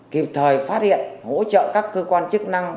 kịp thời phát hiện hỗ trợ các cơ quan chức năng